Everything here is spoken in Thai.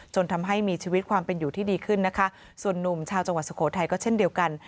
จนทำให้มีชีวิตความเป็นอยู่ที่ดีขึ้นนะคะส่วนหนุ่มชาวจังหวัดสุโขทัยก็เช่นเดียวกัน